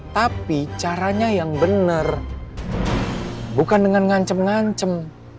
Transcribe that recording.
tapi caranya yang benar bukan dengan ngancem ngancem